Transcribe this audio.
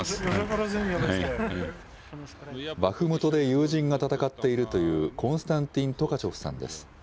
バフムトで友人が戦っているという、コンスタンティン・トカチョフさんです。